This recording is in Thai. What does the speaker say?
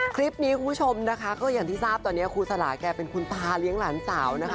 คลิปนี้คุณผู้ชมนะคะก็อย่างที่ทราบตอนนี้ครูสลาแกเป็นคุณตาเลี้ยงหลานสาวนะคะ